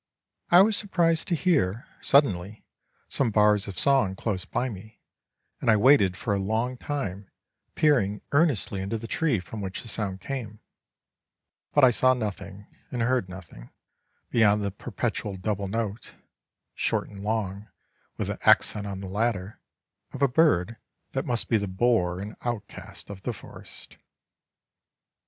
I was surprised to hear, suddenly, some bars of song, close by me, and I waited for a long time, peering earnestly into the tree from which the sound came; but I saw nothing and heard nothing beyond the perpetual double note (short and long, with the accent on the latter) of a bird that must be the bore and outcast of the forest.